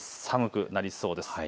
寒くなりそうです。